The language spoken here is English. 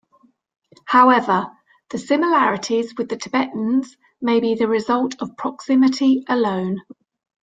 However, the similarities with the Tibetans may be the result of proximity alone.